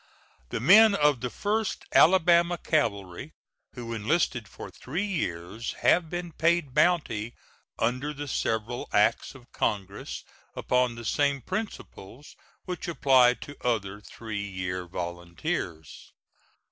The men of the First Alabama Cavalry who enlisted for three years have been paid bounty under the several acts of Congress upon the same principles which apply to other three years volunteers.